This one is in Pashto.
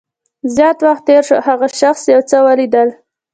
زیات وخت تېر شو او هغه شخص یو څه ولیدل